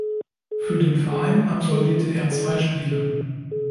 Für den Verein absolvierte er zwei Spiele.